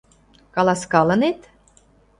«Каласкалынет?